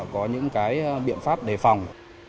có những cái biện pháp đề phòng